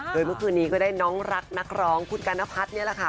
โดยเมื่อคืนนี้ก็ได้น้องรักนักร้องคุณกัณพัฒน์นี่แหละค่ะ